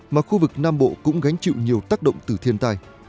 mà khu vực nam bộ cũng gánh chịu nhiều tác động từ thiên tai